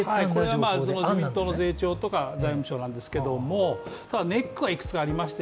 これは自民党の税調とか財務省なんですけどネックがいくつかありまして